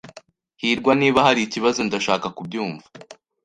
hirwa, niba hari ikibazo, ndashaka kubyumva.